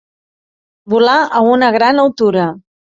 Volar a una gran altura.